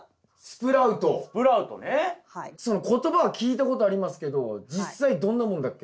その言葉は聞いたことありますけど実際どんなもんだっけ？